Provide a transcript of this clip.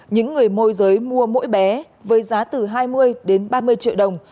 những người môi giới mua mỗi bé với giá từ hai mươi đến ba mươi triệu đồng